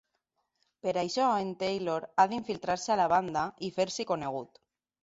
Per això en Taylor ha d'infiltrar-se a la banda i fer-s'hi conegut.